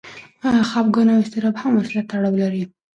خپګان او اضطراب هم ورسره تړاو لري.